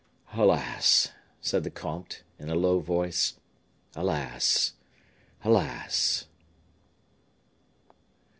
"Alas!" said the comte, in a low voice, "alas! alas!"